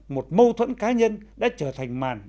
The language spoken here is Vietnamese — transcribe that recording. một mâu thuẫn cá nhân đã trở thành màn